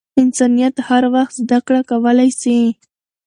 انسان هر وخت زدکړه کولای سي .